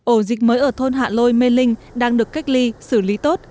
ổ dịch mới ở thôn hạ lôi mê linh đang được cách ly xử lý tốt